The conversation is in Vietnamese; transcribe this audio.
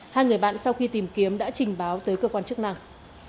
hai người bạn sau khi tìm kiếm đã trình báo tới cơ quan chức năng